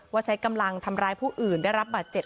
ใช้กำลังทำร้ายผู้อื่นได้รับบาดเจ็บ